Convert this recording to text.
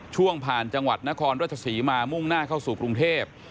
ช่วงผ่านจังหวัดนครราชศรีมามุ่งหน้าเข้าสู่กรุงเทพ